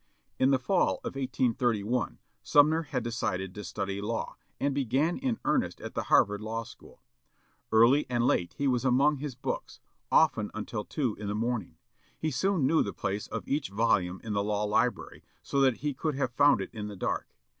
In the fall of 1831 Sumner had decided to study law, and began in earnest at the Harvard Law School. Early and late he was among his books, often until two in the morning. He soon knew the place of each volume in the law library, so that he could have found it in the dark.